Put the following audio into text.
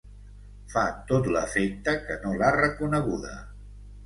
Fa tot l'efecte que no l'ha reconeguda.